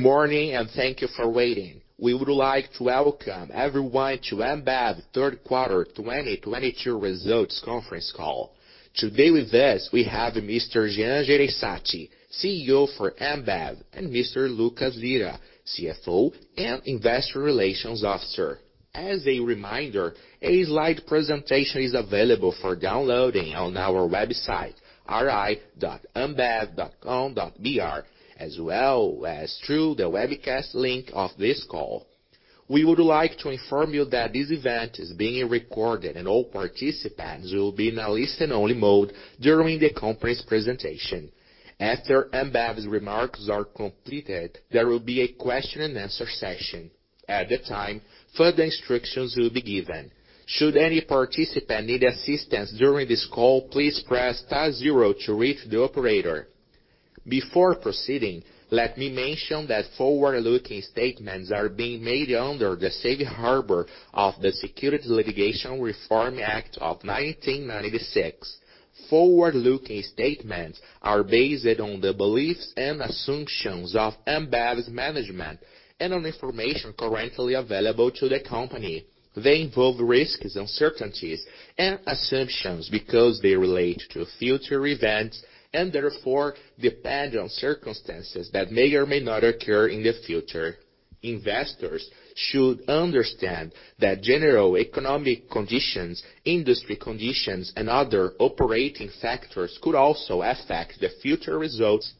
Good morning, and thank you for waiting. We would like to welcome everyone to Ambev third quarter 2022 results conference call. Today with us we have Mr. Jean Jereissati, CEO for Ambev, and Mr. Lucas Lira, CFO and Investor Relations Officer. As a reminder, a slide presentation is available for downloading on our website, ri.ambev.com.br, as well as through the webcast link of this call. We would like to inform you that this event is being recorded and all participants will be in a listen only mode during the conference presentation. After Ambev's remarks are completed, there will be a question and answer session. At the time, further instructions will be given. Should any participant need assistance during this call, please press star zero to reach the operator. Before proceeding, let me mention that forward-looking statements are being made under the safe harbor of the Private Securities Litigation Reform Act of 1995. Forward-looking statements are based on the beliefs and assumptions of Ambev's management and on information currently available to the company. They involve risks, uncertainties, and assumptions because they relate to future events and therefore depend on circumstances that may or may not occur in the future. Investors should understand that general economic conditions, industry conditions, and other operating factors could also affect the future results.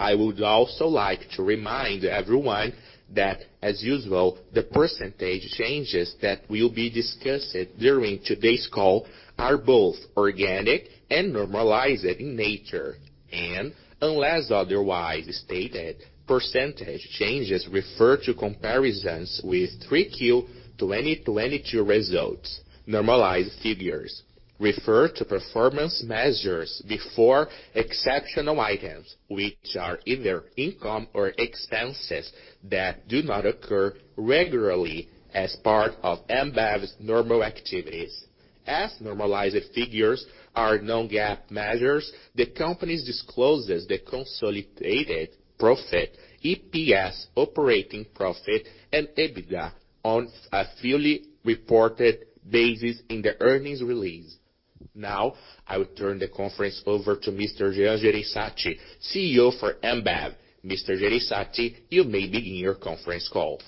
I would also like to remind everyone that, as usual, the percentage changes that will be discussed during today's call are both organic and normalized in nature. Unless otherwise stated, percentage changes refer to comparisons with 3Q 2022 results. Normalized figures refer to performance measures before exceptional items, which are either income or expenses that do not occur regularly as part of Ambev's normal activities. As normalized figures are non-GAAP measures, the company discloses the consolidated profit, EPS, operating profit, and EBITDA on a fully reported basis in the earnings release. Now I will turn the conference over to Mr. Jean Jereissati, CEO for Ambev. Mr. Jereissati, you may begin your conference call.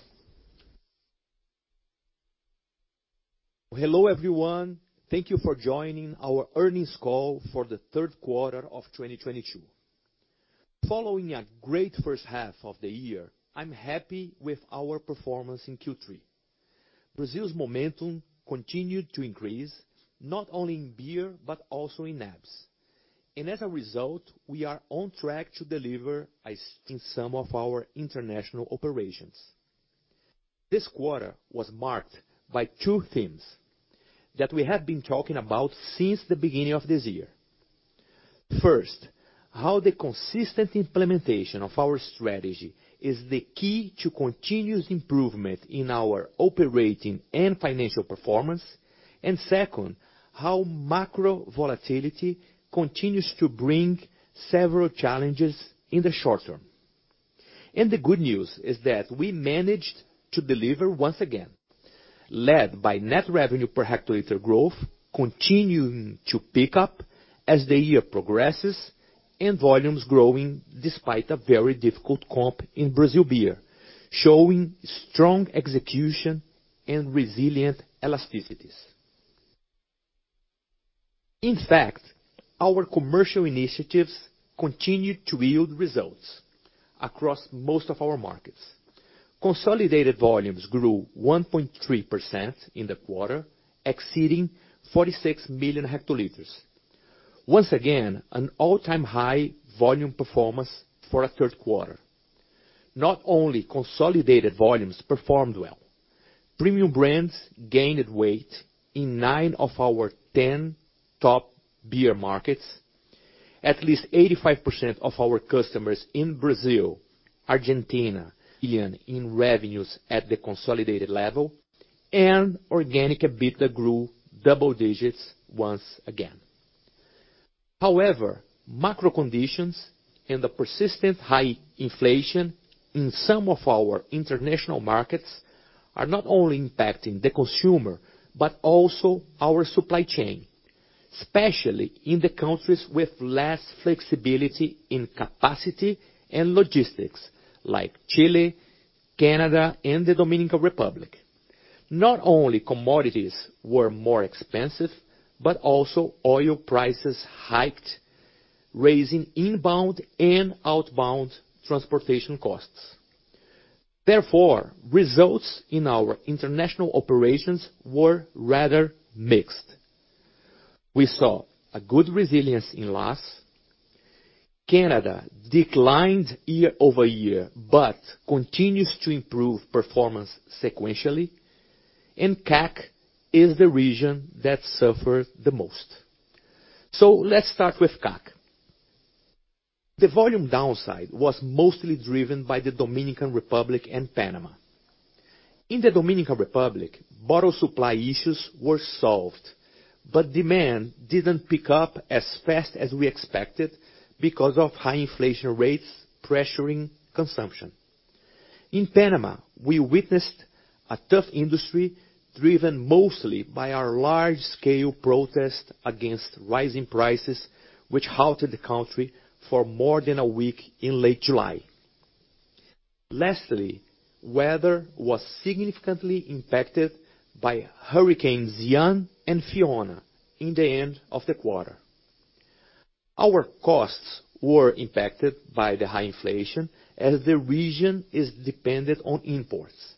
Hello, everyone. Thank you for joining our earnings call for the third quarter of 2022. Following a great first half of the year, I'm happy with our performance in Q3. Brazil's momentum continued to increase, not only in beer, but also in NABs. As a result, we are on track to deliver, as in some of our international operations. This quarter was marked by two themes that we have been talking about since the beginning of this year. First, how the consistent implementation of our strategy is the key to continuous improvement in our operating and financial performance. Second, how macro volatility continues to bring several challenges in the short term. The good news is that we managed to deliver once again, led by net revenue per hectoliter growth, continuing to pick up as the year progresses, and volumes growing despite a very difficult comp in Brazil beer, showing strong execution and resilient elasticities. In fact, our commercial initiatives continued to yield results across most of our markets. Consolidated volumes grew 1.3% in the quarter, exceeding 46 million hectoliters. Once again, an all-time high volume performance for a third quarter. Not only consolidated volumes performed well. Premium brands gained weight in 9 of our 10 top beer markets. At least 85% of our customers in Brazil, Argentina, in revenues at the consolidated level, and organic EBITDA grew double digits once again. However, macro conditions and the persistent high inflation in some of our international markets are not only impacting the consumer, but also our supply chain, especially in the countries with less flexibility in capacity and logistics like Chile, Canada, and the Dominican Republic. Not only commodities were more expensive, but also oil prices hiked, raising inbound and outbound transportation costs. Therefore, results in our international operations were rather mixed. We saw a good resilience in LAS. Canada declined year-over-year, but continues to improve performance sequentially. CAC is the region that suffered the most. Let's start with CAC. The volume downside was mostly driven by the Dominican Republic and Panama. In the Dominican Republic, bottle supply issues were solved, but demand didn't pick up as fast as we expected because of high inflation rates pressuring consumption. In Panama, we witnessed a tough industry driven mostly by our large-scale protest against rising prices, which halted the country for more than a week in late July. Lastly, weather was significantly impacted by Hurricane Ian and Hurricane Fiona in the end of the quarter. Our costs were impacted by the high inflation, as the region is dependent on imports.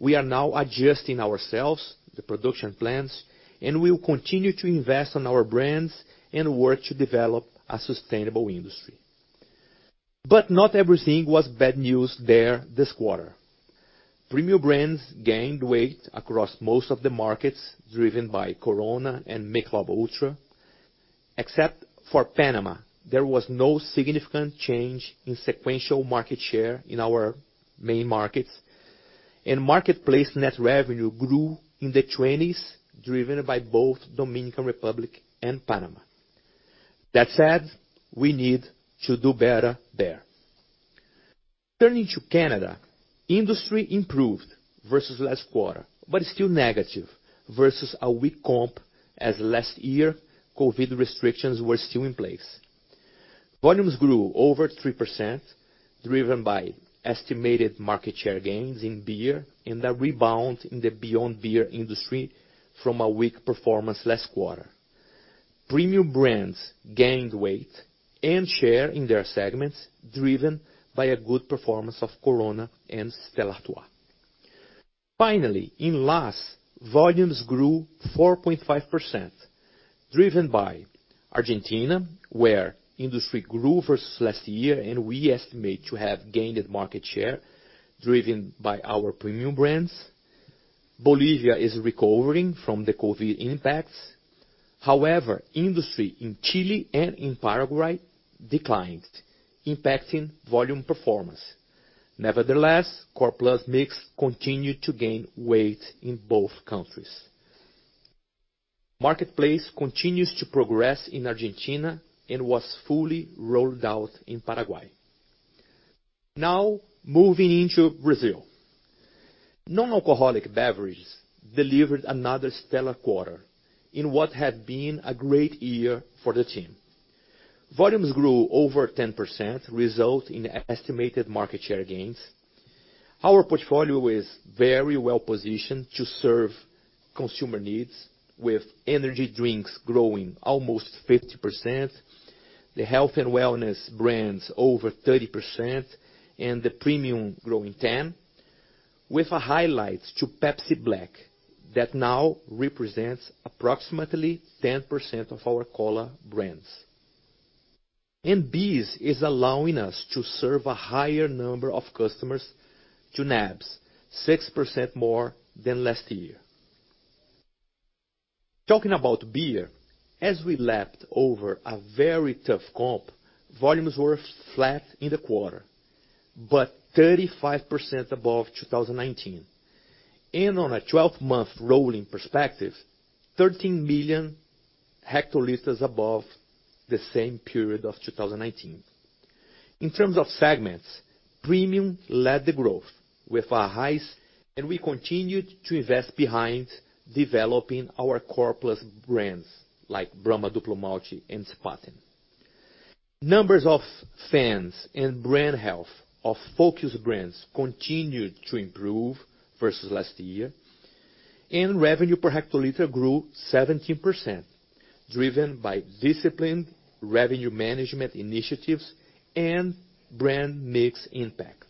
We are now adjusting ourselves, the production plans, and we will continue to invest on our brands and work to develop a sustainable industry. Not everything was bad news there this quarter. Premium brands gained weight across most of the markets, driven by Corona and Michelob ULTRA. Except for Panama, there was no significant change in sequential market share in our main markets. Marketplace net revenue grew in the 20s, driven by both Dominican Republic and Panama. That said, we need to do better there. Turning to Canada, industry improved versus last quarter, but it's still negative versus a weak comp, as last year, COVID restrictions were still in place. Volumes grew over 3%, driven by estimated market share gains in beer and a rebound in the Beyond Beer industry from a weak performance last quarter. Premium brands gained weight and share in their segments, driven by a good performance of Corona and Stella Artois. Finally, in LAS, volumes grew 4.5%, driven by Argentina, where industry grew versus last year, and we estimate to have gained market share driven by our premium brands. Bolivia is recovering from the COVID impacts. However, industry in Chile and in Paraguay declined, impacting volume performance. Nevertheless, core plus mix continued to gain weight in both countries. Marketplace continues to progress in Argentina and was fully rolled out in Paraguay. Now, moving into Brazil. Nonalcoholic beverages delivered another stellar quarter in what had been a great year for the team. Volumes grew over 10%, resulting in estimated market share gains. Our portfolio is very well-positioned to serve consumer needs, with energy drinks growing almost 50%, the health and wellness brands over 30%, and the premium growing 10%, with a highlight to Pepsi Black that now represents approximately 10% of our cola brands. BEES is allowing us to serve a higher number of customers to NABs, 6% more than last year. Talking about beer, as we lapped over a very tough comp, volumes were flat in the quarter, but 35% above 2019. On a twelve-month rolling perspective, 13 million hectoliters above the same period of 2019. In terms of segments, premium led the growth with our highs, and we continued to invest behind developing our core plus brands like Brahma Duplo Malte and Spaten. Numbers of fans and brand health of focus brands continued to improve versus last year, and revenue per hectoliter grew 17%, driven by disciplined revenue management initiatives and brand mix impact.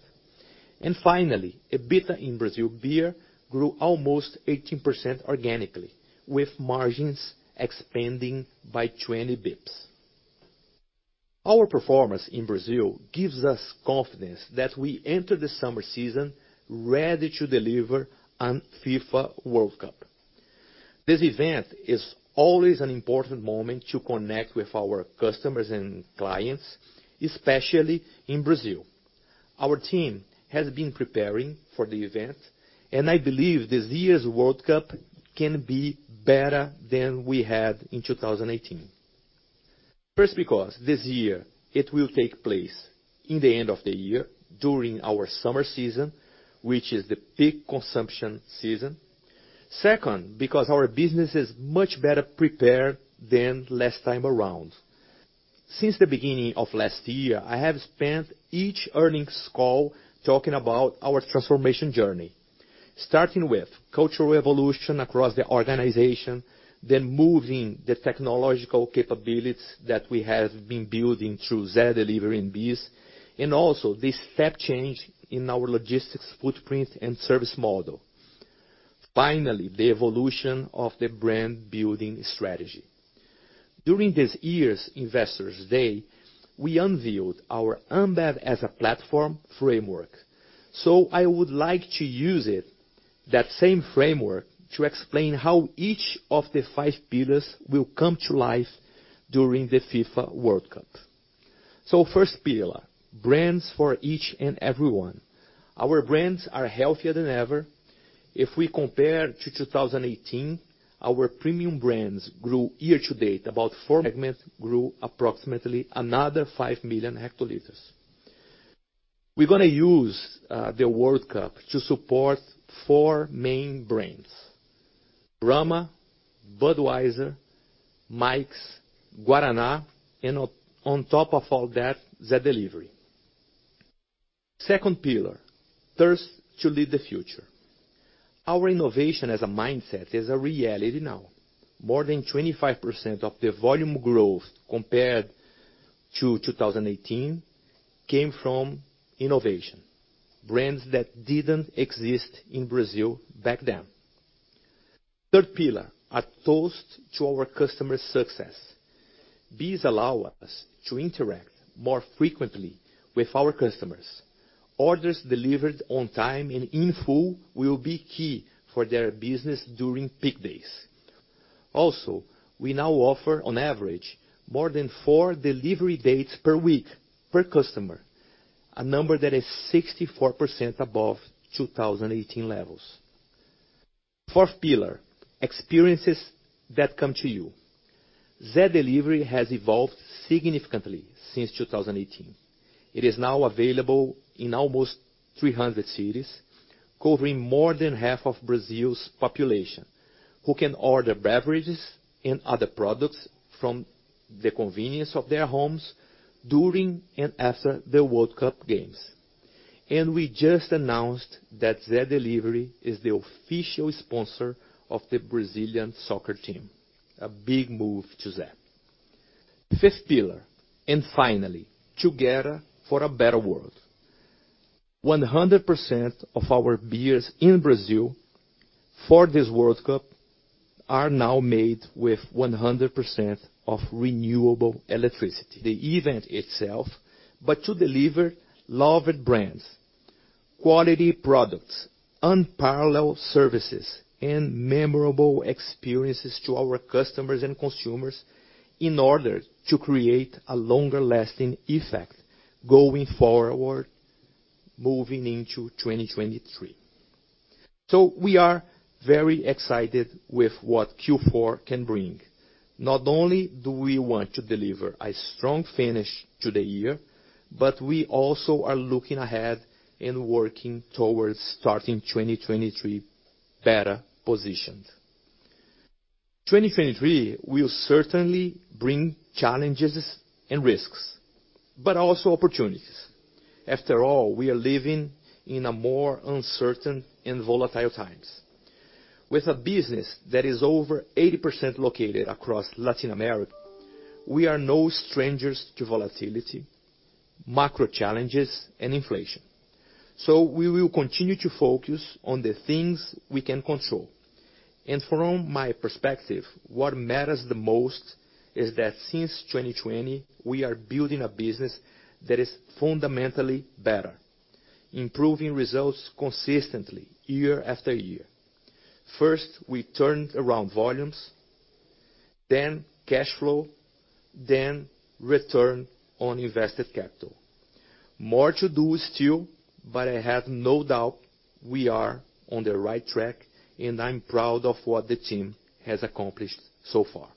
Finally, EBITDA in Brazil Beer grew almost 18% organically, with margins expanding by 20 basis points. Our performance in Brazil gives us confidence that we enter the summer season ready to deliver on FIFA World Cup. This event is always an important moment to connect with our customers and clients, especially in Brazil. Our team has been preparing for the event, and I believe this year's World Cup can be better than we had in 2018. First, because this year it will take place in the end of the year during our summer season, which is the peak consumption season. Second, because our business is much better prepared than last time around. Since the beginning of last year, I have spent each earnings call talking about our transformation journey, starting with cultural evolution across the organization, then moving the technological capabilities that we have been building through Zé Delivery and BEES, and also the step change in our logistics footprint and service model. Finally, the evolution of the brand building strategy. During this year's Investors Day, we unveiled our Ambev as a platform framework. I would like to use it, that same framework, to explain how each of the five pillars will come to life during the FIFA World Cup. First pillar, brands for each and everyone. Our brands are healthier than ever. If we compare to 2018, our premium brands grew year-to-date about 4%, segments grew approximately another 5 million hectoliters. We're gonna use the World Cup to support four main brands, Brahma, Budweiser, Mike's, Guaraná, and on top of all that, Zé Delivery. Second pillar, first to lead the future. Our innovation as a mindset is a reality now. More than 25% of the volume growth compared to 2018 came from innovation, brands that didn't exist in Brazil back then. Third pillar, a toast to our customers' success. These allow us to interact more frequently with our customers. Orders delivered on time and in full will be key for their business during peak days. Also, we now offer on average more than four delivery dates per week per customer, a number that is 64% above 2018 levels. Fourth pillar, experiences that come to you. Zé Delivery has evolved significantly since 2018. It is now available in almost 300 cities, covering more than half of Brazil's population, who can order beverages and other products from the convenience of their homes during and after the World Cup games. We just announced that Zé Delivery is the official sponsor of the Brazilian soccer team, a big move for Zé. Fifth pillar, finally, together for a better world. 100% of our beers in Brazil for this World Cup are now made with 100% of renewable electricity. The event itself, but to deliver loved brands, quality products, unparalleled services, and memorable experiences to our customers and consumers in order to create a longer-lasting effect going forward, moving into 2023. We are very excited with what Q4 can bring. Not only do we want to deliver a strong finish to the year, but we also are looking ahead and working towards starting 2023 better positioned. 2023 will certainly bring challenges and risks, but also opportunities. After all, we are living in a more uncertain and volatile times. With a business that is over 80% located across Latin America, we are no strangers to volatility, macro challenges, and inflation. We will continue to focus on the things we can control. From my perspective, what matters the most is that since 2020, we are building a business that is fundamentally better, improving results consistently year after year. First, we turned around volumes, then cash flow, then return on invested capital. More to do still, but I have no doubt we are on the right track, and I'm proud of what the team has accomplished so far.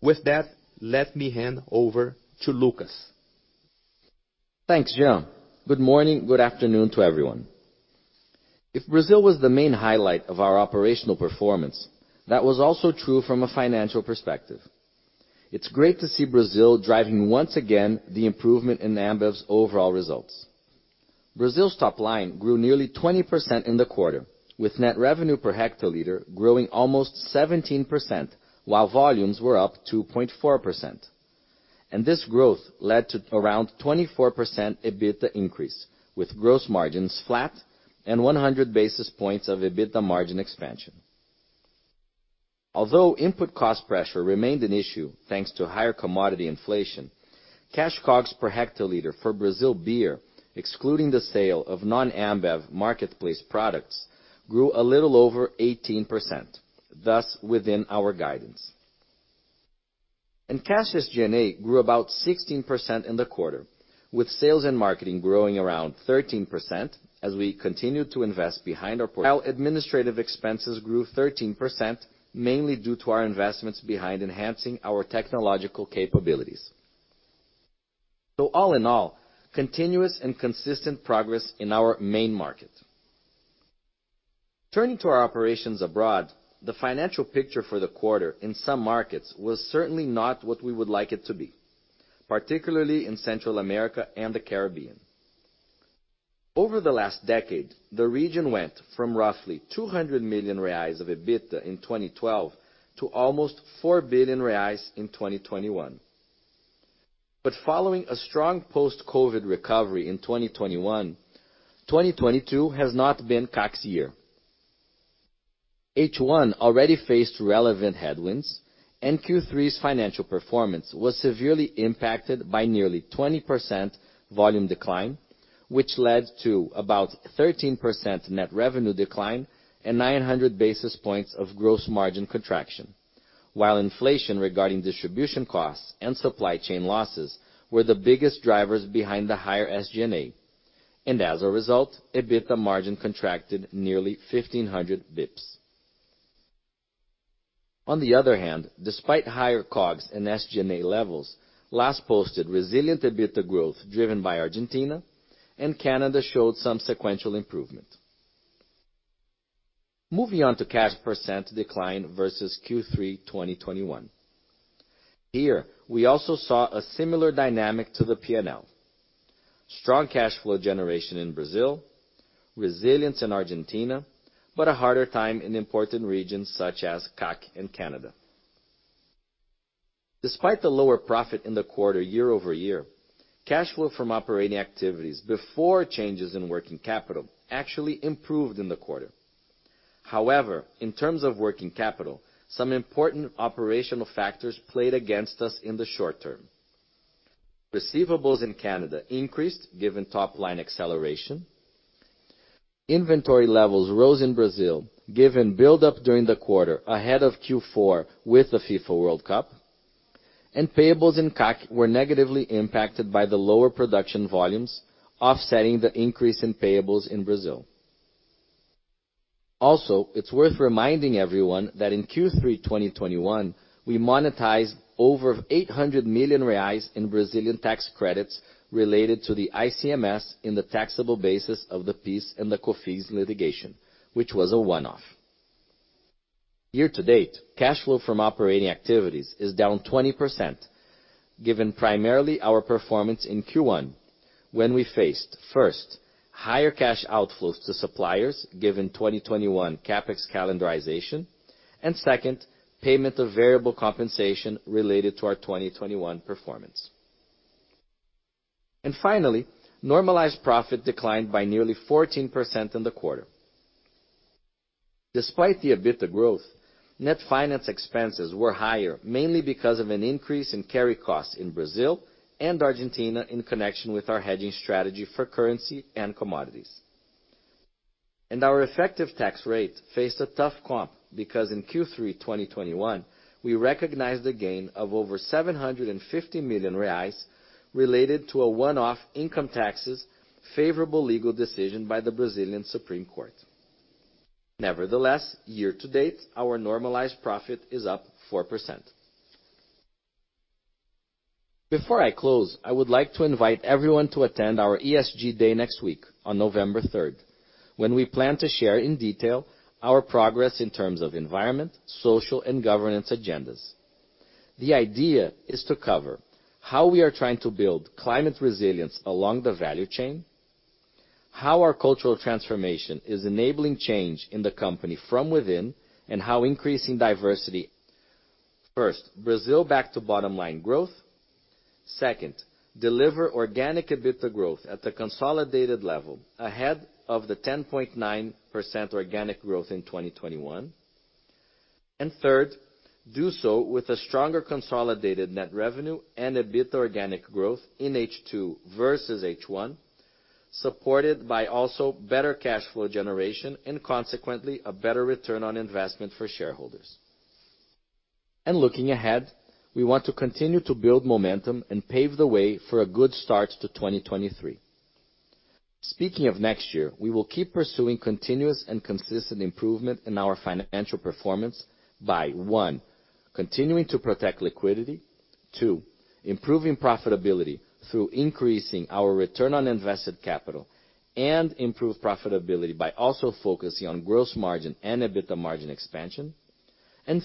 With that, let me hand over to Lucas. Thanks, Jean. Good morning, good afternoon to everyone. If Brazil was the main highlight of our operational performance, that was also true from a financial perspective. It's great to see Brazil driving once again the improvement in Ambev's overall results. Brazil's top line grew nearly 20% in the quarter, with net revenue per hectoliter growing almost 17%, while volumes were up 2.4%. This growth led to around 24% EBITDA increase, with gross margins flat and 100 basis points of EBITDA margin expansion. Although input cost pressure remained an issue, thanks to higher commodity inflation, cash COGS per hectoliter for Brazil Beer, excluding the sale of non-Ambev marketplace products, grew a little over 18%, thus within our guidance. Cash SG&A grew about 16% in the quarter, with sales and marketing growing around 13% while administrative expenses grew 13%, mainly due to our investments behind enhancing our technological capabilities. All in all, continuous and consistent progress in our main market. Turning to our operations abroad, the financial picture for the quarter in some markets was certainly not what we would like it to be, particularly in Central America and the Caribbean. Over the last decade, the region went from roughly 200 million reais of EBITDA in 2012 to almost 4 billion reais in 2021. Following a strong post-COVID recovery in 2021, 2022 has not been CAC's year. H1 already faced relevant headwinds, and Q3's financial performance was severely impacted by nearly 20% volume decline, which led to about 13% net revenue decline and 900 basis points of gross margin contraction. While inflation regarding distribution costs and supply chain losses were the biggest drivers behind the higher SG&A. As a result, EBITDA margin contracted nearly 1,500 basis points. On the other hand, despite higher COGS and SG&A levels, LAS posted resilient EBITDA growth driven by Argentina, and Canada showed some sequential improvement. Moving on to cash flow decline versus Q3, 2021. Here, we also saw a similar dynamic to the P&L. Strong cash flow generation in Brazil, resilience in Argentina, but a harder time in important regions such as CAC and Canada. Despite the lower profit in the quarter year-over-year, cash flow from operating activities before changes in working capital actually improved in the quarter. However, in terms of working capital, some important operational factors played against us in the short term. Receivables in Canada increased given top line acceleration. Inventory levels rose in Brazil given build up during the quarter ahead of Q4 with the FIFA World Cup. Payables in CAC were negatively impacted by the lower production volumes, offsetting the increase in payables in Brazil. Also, it's worth reminding everyone that in Q3, 2021, we monetized over 800 million reais in Brazilian tax credits related to the ICMS in the taxable basis of the PIS and the COFINS litigation, which was a one-off. Year to date, cash flow from operating activities is down 20% given primarily our performance in Q1 when we faced, first, higher cash outflows to suppliers given 2021 CapEx calendarization, and second, payment of variable compensation related to our 2021 performance. Finally, normalized profit declined by nearly 14% in the quarter. Despite the EBITDA growth, net finance expenses were higher, mainly because of an increase in carry costs in Brazil and Argentina in connection with our hedging strategy for currency and commodities. Our effective tax rate faced a tough comp because in Q3 2021, we recognized a gain of over 750 million reais related to a one-off income taxes favorable legal decision by the Supreme Federal Court. Nevertheless, year to date, our normalized profit is up 4%. Before I close, I would like to invite everyone to attend our ESG day next week on November third, when we plan to share in detail our progress in terms of environment, social, and governance agendas. The idea is to cover how we are trying to build climate resilience along the value chain, how our cultural transformation is enabling change in the company from within. First, Brazil back to bottom line growth. Second, deliver organic EBITDA growth at the consolidated level ahead of the 10.9% organic growth in 2021. Third, do so with a stronger consolidated net revenue and EBITDA organic growth in H2 versus H1, supported by also better cash flow generation and consequently, a better return on investment for shareholders. Looking ahead, we want to continue to build momentum and pave the way for a good start to 2023. Speaking of next year, we will keep pursuing continuous and consistent improvement in our financial performance by, one, continuing to protect liquidity. Two, improving profitability through increasing our return on invested capital, and improve profitability by also focusing on gross margin and EBITDA margin expansion.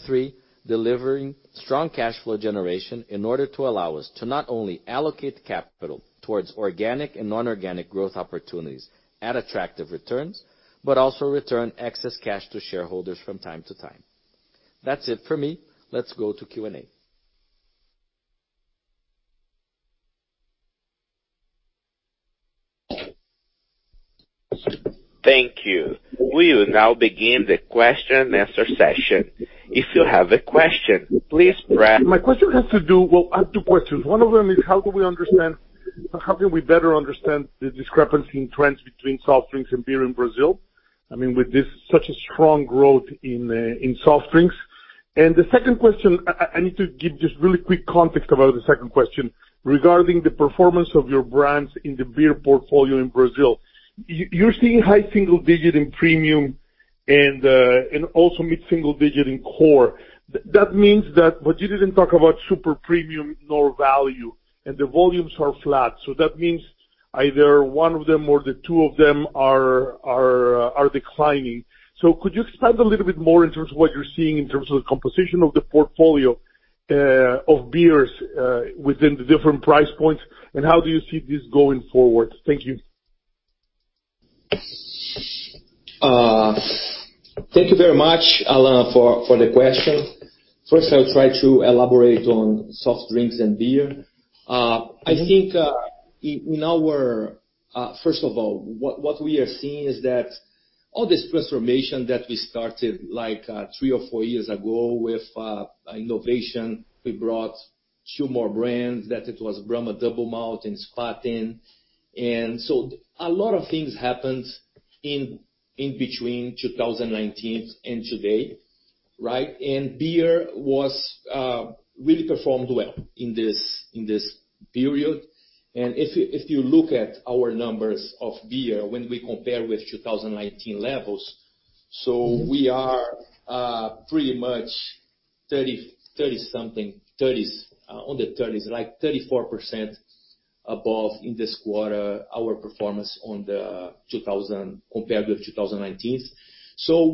Three, delivering strong cash flow generation in order to allow us to not only allocate capital towards organic and non-organic growth opportunities at attractive returns, but also return excess cash to shareholders from time to time. That's it for me. Let's go to Q&A. Thank you. We will now begin the question and answer session. If you have a question, please press. My question has to do. Well, I have two questions. One of them is: how can we better understand the discrepancy in trends between soft drinks and beer in Brazil? I mean, with such a strong growth in soft drinks. The second question, I need to give just really quick context about the second question regarding the performance of your brands in the beer portfolio in Brazil. You're seeing high single-digit in premium and also mid-single-digit in core. That means that. You didn't talk about super premium nor value, and the volumes are flat. That means either one of them or the two of them are declining. Could you expand a little bit more in terms of what you're seeing in terms of the composition of the portfolio, of beers, within the different price points, and how do you see this going forward? Thank you. Thank you very much, Alan, for the question. First, I'll try to elaborate on soft drinks and beer. First of all, what we are seeing is that all this transformation that we started, like, three or four years ago with innovation. We brought two more brands that it was Brahma Duplo Malte and Spaten. A lot of things happened. In between 2019 and today, right? Beer really performed well in this period. If you look at our numbers of beer when we compare with 2019 levels, we are pretty much in the thirties, like 34% above in this quarter, our performance compared with 2019.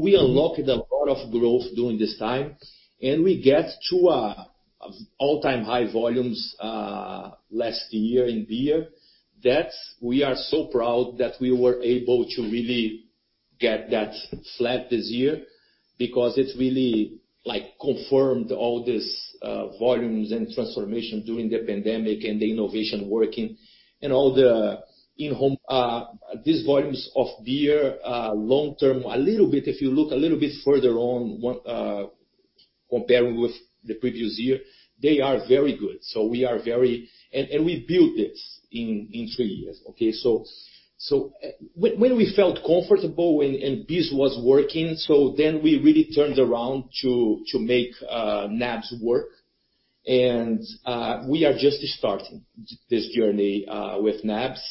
We unlocked a lot of growth during this time, and we get to an all-time high volumes last year in beer. That's we are so proud that we were able to really get that flat this year because it's really like confirmed all this volumes and transformation during the pandemic and the innovation working and all the in-home. These volumes of beer, long term, a little bit if you look a little bit further on one, comparing with the previous year, they are very good. We are very. We built this in three years, okay? When we felt comfortable and this was working, so then we really turned around to make NABs work. We are just starting this journey with NABs.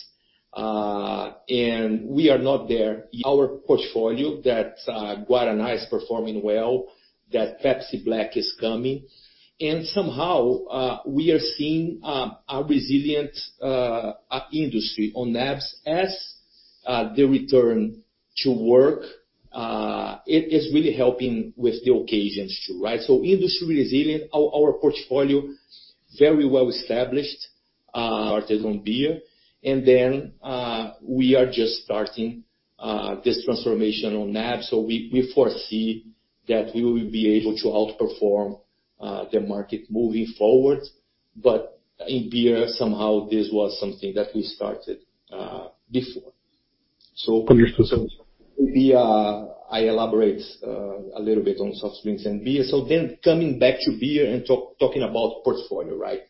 We are not there. Our portfolio that Guaraná is performing well, that Pepsi Black is coming. Somehow, we are seeing a resilient industry on NABs as the return to work. It is really helping with the occasions too, right? Industry resilient. Our portfolio very well established, Artisan beer. We are just starting this transformation on NAB. We foresee that we will be able to outperform the market moving forward. In beer, somehow this was something that we started before. Can you still? Beer, I elaborate a little bit on soft drinks and beer. Coming back to beer and talking about portfolio, right?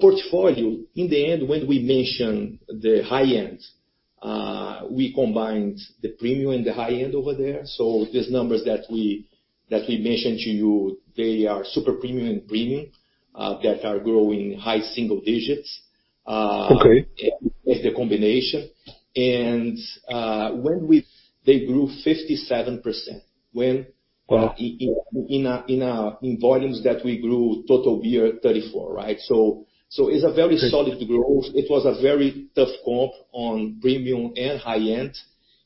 Portfolio, in the end, when we mention the high end, we combined the premium and the high end over there. These numbers that we mentioned to you, they are super premium and premium that are growing high single digits. Okay. As the combination. They grew 57%. Wow. In volumes that we grew total beer 34%, right? It's a very solid growth. It was a very tough comp on premium and high-end,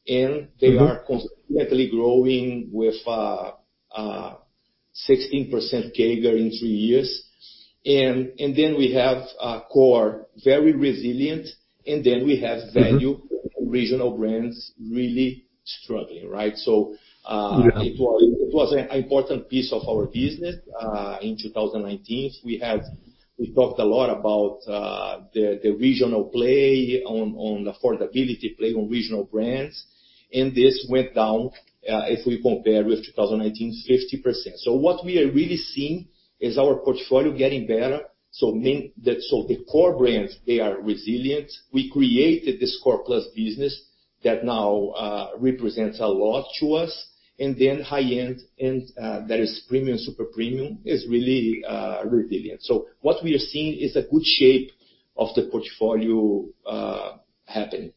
and they are consistently growing with 16% CAGR in three years. We have a core, very resilient, and we have value regional brands really struggling, right? Yeah. It was an important piece of our business. In 2019, we talked a lot about the regional play on affordability play on regional brands. This went down, if we compare with 2019, 50%. What we are really seeing is our portfolio getting better. The core brands, they are resilient. We created this core-plus business that now represents a lot to us. Then high-end and that is premium, super premium is really resilient. What we are seeing is a good shape of the portfolio happening.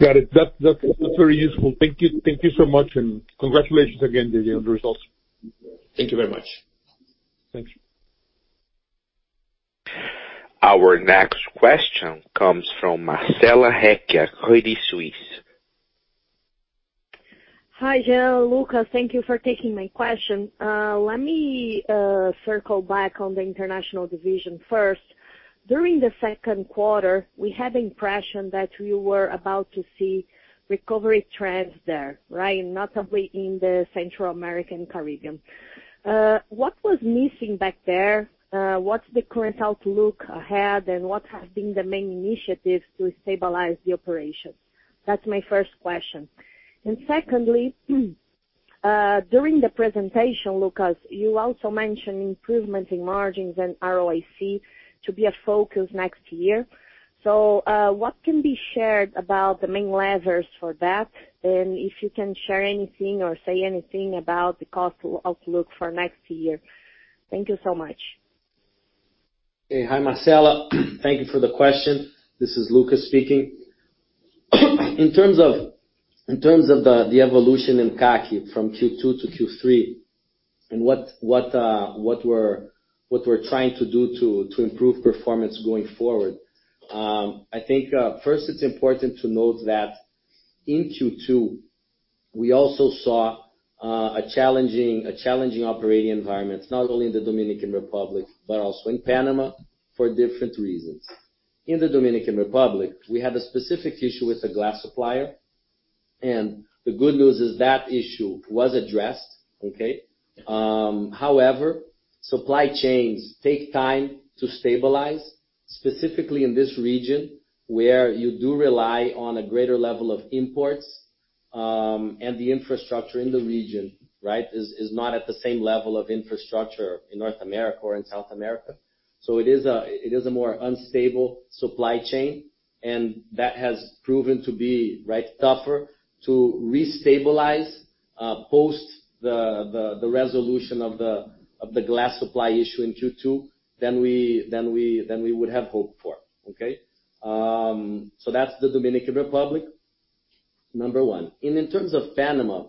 Got it. That's very useful. Thank you. Thank you so much, and congratulations again to you on the results. Thank you very much. Thank you. Our next question comes from Marcella Recchia, Credit Suisse. Hi, Jean, Lucas. Thank you for taking my question. Let me circle back on the international division first. During the second quarter, we had the impression that you were about to see recovery trends there, right? Notably in Central America and the Caribbean. What was missing back there? What's the current outlook ahead, and what has been the main initiatives to stabilize the operations? That's my first question. Secondly, during the presentation, Lucas, you also mentioned improvements in margins and ROIC to be a focus next year. What can be shared about the main levers for that? And if you can share anything or say anything about the cost outlook for next year. Thank you so much. Hey. Hi, Marcella. Thank you for the question. This is Lucas speaking. In terms of the evolution in CAC from Q2 to Q3 and what we're trying to do to improve performance going forward, I think first it's important to note that in Q2, we also saw a challenging operating environment, not only in the Dominican Republic, but also in Panama for different reasons. In the Dominican Republic, we had a specific issue with a glass supplier, and the good news is that issue was addressed, okay? However, supply chains take time to stabilize, specifically in this region where you do rely on a greater level of imports. The infrastructure in the region, right, is not at the same level of infrastructure in North America or in South America. It is a more unstable supply chain, and that has proven to be, right, tougher to restabilize post the resolution of the glass supply issue in Q2 than we would have hoped for. Okay? That's the Dominican Republic, number 1. In terms of Panama,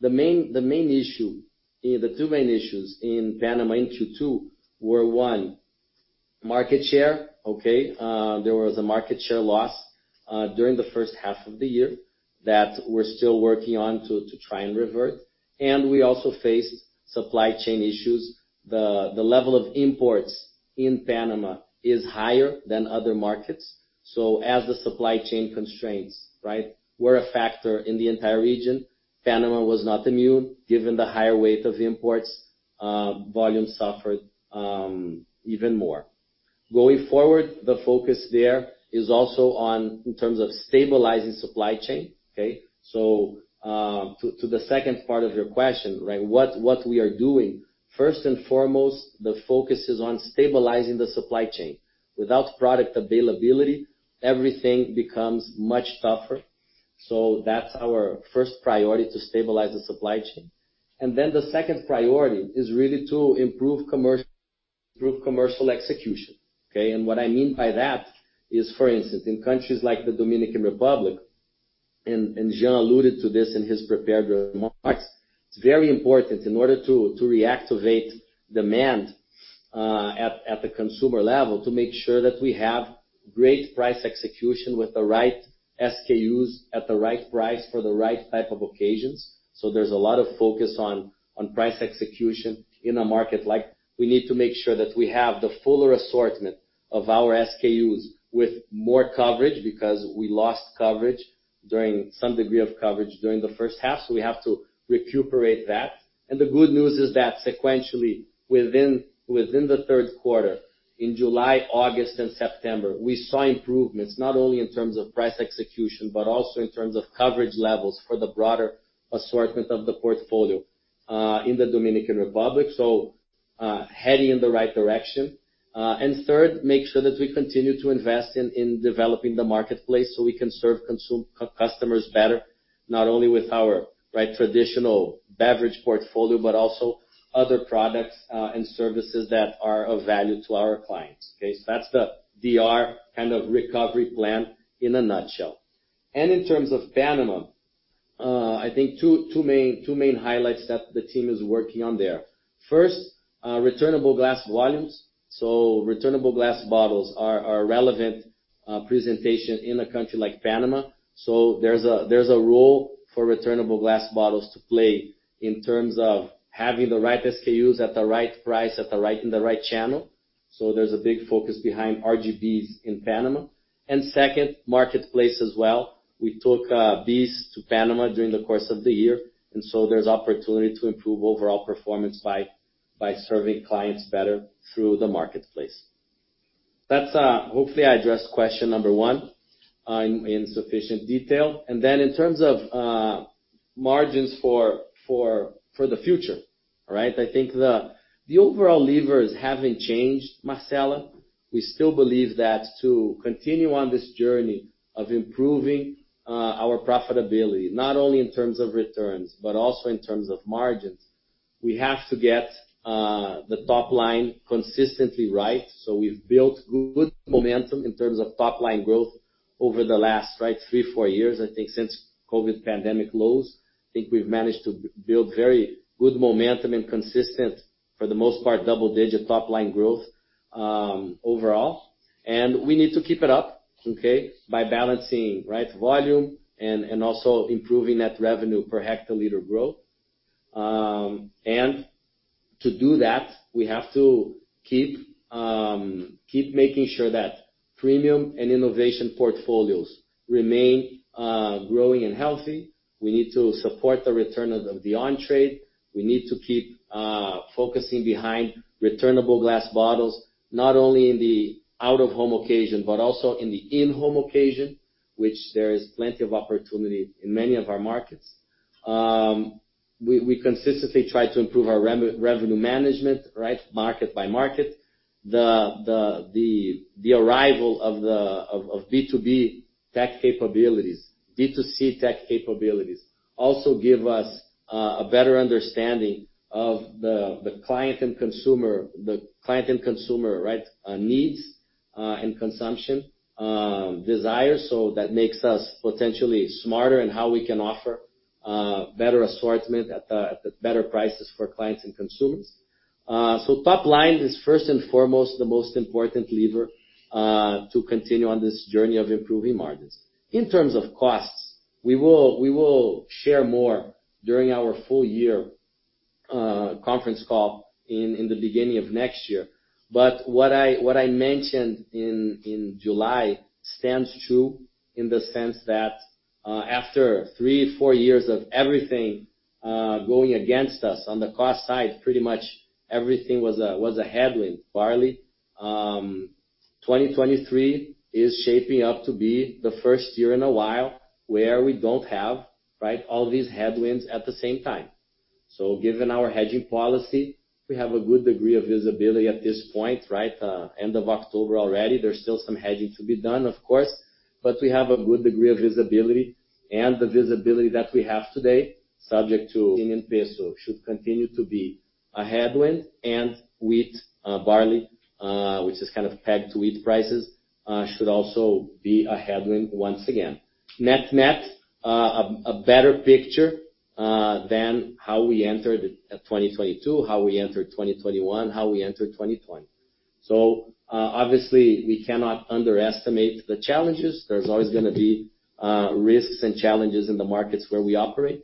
the main issue. The two main issues in Panama in Q2 were 1, market share. Okay. There was a market share loss during the first half of the year that we're still working on to try and revert. We also faced supply chain issues. The level of imports in Panama is higher than other markets. As the supply chain constraints were a factor in the entire region, Panama was not immune. Given the higher weight of imports, volume suffered even more. Going forward, the focus there is also in terms of stabilizing supply chain. Okay. To the second part of your question, what we are doing, first and foremost, the focus is on stabilizing the supply chain. Without product availability, everything becomes much tougher. That's our first priority, to stabilize the supply chain. Then the second priority is really to improve commercial execution, okay. What I mean by that is, for instance, in countries like the Dominican Republic, and Jean Jereissati alluded to this in his prepared remarks, it's very important in order to reactivate demand at the consumer level, to make sure that we have great price execution with the right SKUs at the right price for the right type of occasions. There's a lot of focus on price execution in a market like the Dominican Republic. We need to make sure that we have the fuller assortment of our SKUs with more coverage because we lost coverage during some degree of coverage during the first half, so we have to recuperate that. The good news is that sequentially within the third quarter, in July, August and September, we saw improvements not only in terms of price execution, but also in terms of coverage levels for the broader assortment of the portfolio in the Dominican Republic, heading in the right direction. Third, make sure that we continue to invest in developing the marketplace so we can serve customers better, not only with our traditional beverage portfolio, but also other products and services that are of value to our clients. Okay. That's the DR kind of recovery plan in a nutshell. In terms of Panama, I think two main highlights that the team is working on there. First, returnable glass volumes. Returnable glass bottles are a relevant presentation in a country like Panama. There's a role for returnable glass bottles to play in terms of having the right SKUs at the right price in the right channel. There's a big focus behind RGBs in Panama. Second, marketplace as well. We took BEES to Panama during the course of the year, and so there's opportunity to improve overall performance by serving clients better through the marketplace. Hopefully, I addressed question number one in sufficient detail. Then in terms of margins for the future, right? I think the overall levers haven't changed, Marcella. We still believe that to continue on this journey of improving our profitability, not only in terms of returns, but also in terms of margins, we have to get the top line consistently right. We've built good momentum in terms of top-line growth over the last, right, three, four years, I think since COVID pandemic lows. I think we've managed to build very good momentum and consistent, for the most part, double-digit top-line growth, overall. We need to keep it up, okay, by balancing, right, volume and also improving net revenue per hectoliter growth. To do that, we have to keep making sure that premium and innovation portfolios remain growing and healthy. We need to support the return of the on-trade. We need to keep focusing behind returnable glass bottles, not only in the out-of-home occasion, but also in the in-home occasion, which there is plenty of opportunity in many of our markets. We consistently try to improve our revenue management, right, market by market. The arrival of B2B tech capabilities, B2C tech capabilities also give us a better understanding of the client and consumer needs and consumption desires. That makes us potentially smarter in how we can offer better assortment at better prices for clients and consumers. Top line is first and foremost the most important lever to continue on this journey of improving margins. In terms of costs, we will share more during our full year conference call in the beginning of next year. What I mentioned in July stands true in the sense that after three, four years of everything going against us on the cost side, pretty much everything was a headwind. 2023 is shaping up to be the first year in a while where we don't have, right, all these headwinds at the same time. Given our hedging policy, we have a good degree of visibility at this point, right? End of October already, there's still some hedging to be done, of course, but we have a good degree of visibility. The visibility that we have today, subject to Argentine peso should continue to be a headwind, and wheat, barley, which is kind of pegged to wheat prices, should also be a headwind once again. Net-net, a better picture than how we entered 2022, how we entered 2021, how we entered 2020. Obviously, we cannot underestimate the challenges. There's always gonna be risks and challenges in the markets where we operate.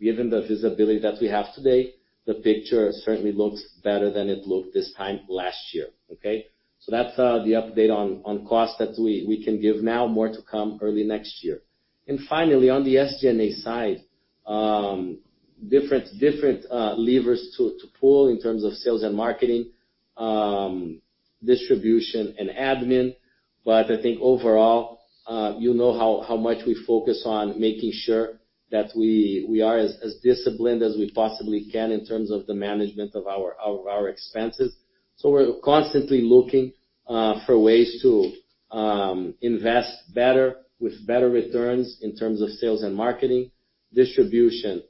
Given the visibility that we have today, the picture certainly looks better than it looked this time last year, okay? That's the update on costs that we can give now, more to come early next year. Finally, on the SG&A side, different levers to pull in terms of sales and marketing, distribution and admin. I think overall, you know how much we focus on making sure that we are as disciplined as we possibly can in terms of the management of our expenses. We're constantly looking for ways to invest better with better returns in terms of sales and marketing. Distribution,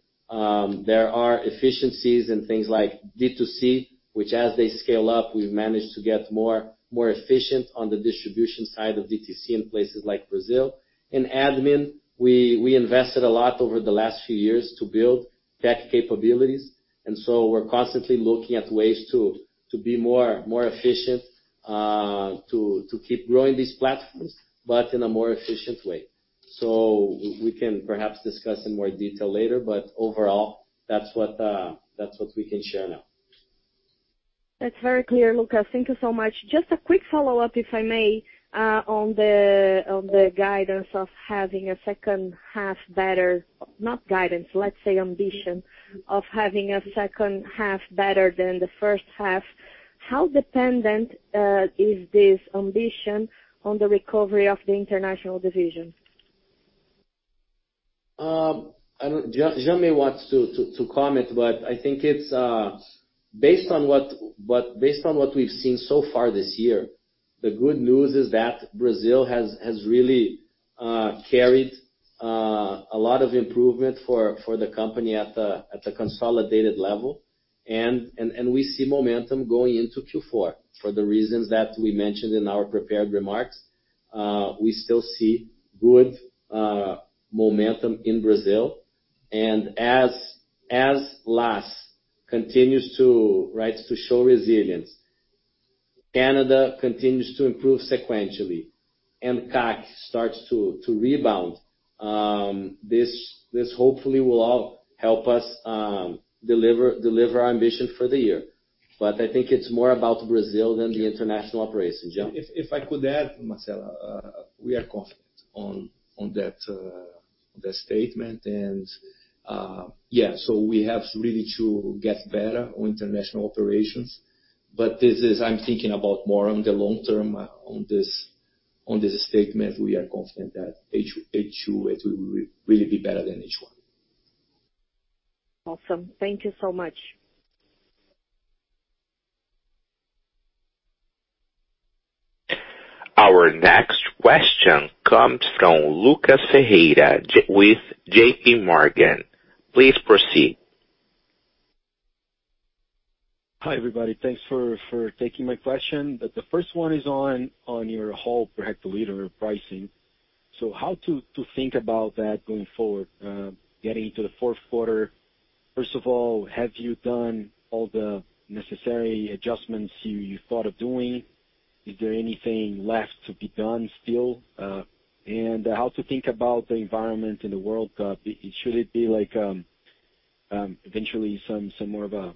there are efficiencies in things like D2C, which as they scale up, we've managed to get more efficient on the distribution side of D2C in places like Brazil. In admin, we invested a lot over the last few years to build tech capabilities, and so we're constantly looking at ways to be more efficient to keep growing these platforms, but in a more efficient way. We can perhaps discuss in more detail later, but overall, that's what we can share now. That's very clear, Lucas. Thank you so much. Just a quick follow-up, if I may, on the guidance of having a second half better. Not guidance, let's say ambition, of having a second half better than the first half. How dependent is this ambition on the recovery of the international division? Jean may want to comment, but I think it's based on what we've seen so far this year. The good news is that Brazil has really carried a lot of improvement for the company at the consolidated level. We see momentum going into Q4 for the reasons that we mentioned in our prepared remarks. We still see good momentum in Brazil. As LAS continues to show resilience, Canada continues to improve sequentially, and CAC starts to rebound, this hopefully will all help us deliver our ambition for the year. I think it's more about Brazil than the international operation. Jean? If I could add, Marcella, we are confident on that statement. We have really to get better on international operations. I'm thinking more about the long term on this statement. We are confident that H2 will really be better than H1. Awesome. Thank you so much. Our next question comes from Lucas Ferreira with J.P. Morgan. Please proceed. Hi, everybody. Thanks for taking my question. The first one is on your whole per hectoliter pricing. How to think about that going forward, getting into the fourth quarter? First of all, have you done all the necessary adjustments you thought of doing? Is there anything left to be done still? And how to think about the environment in the World Cup? Should it be like eventually some more of a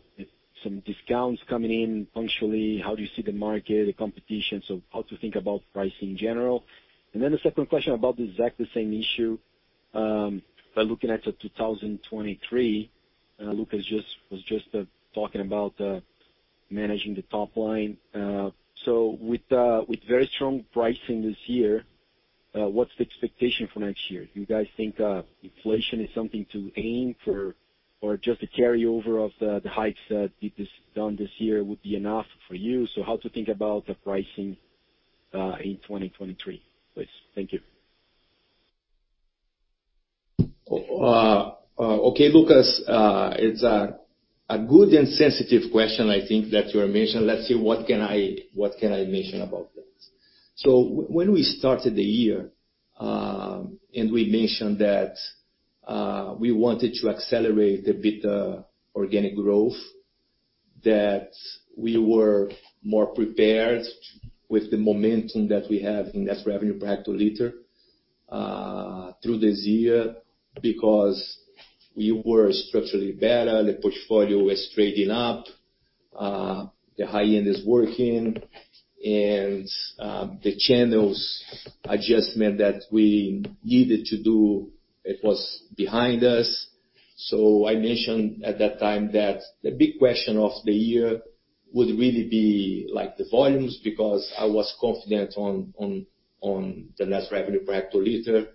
some discounts coming in punctually? How do you see the market, the competition? How to think about pricing in general. The second question about the exact same issue, but looking at the 2023, Lucas was just talking about managing the top line. With very strong pricing this year, what's the expectation for next year? Do you guys think inflation is something to aim for or just a carryover of the hikes that it is done this year would be enough for you? How to think about the pricing in 2023, please? Thank you. Okay, Lucas, it's a good and sensitive question, I think, that you are mentioning. Let's see, what can I mention about that? When we started the year, we mentioned that we wanted to accelerate a bit organic growth, that we were more prepared with the momentum that we have in net revenue per hectoliter through this year, because we were structurally better, the portfolio was trading up, the high end is working, and the channels adjustment that we needed to do, it was behind us. I mentioned at that time that the big question of the year would really be like the volumes, because I was confident on the net revenue per hectoliter